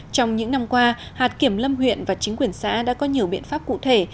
trong những năm qua hạt kiểm lâm huyện và chính quyền xã đã có nhiều biện pháp cụ thể